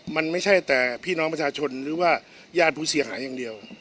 มันไม่ใช่แต่พี่น้องประชาชนหรือว่าญาติผู้เสียหายอย่างเดียว